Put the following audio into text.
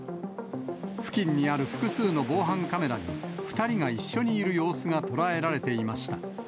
付近にある複数の防犯カメラに、２人が一緒にいる様子が捉えられていました。